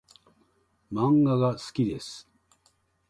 漫画が好きです